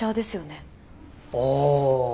ああ。